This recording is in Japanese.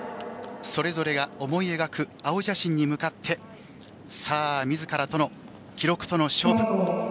それぞれが思い描く青写真に向かってさあ自らとの記録との勝負。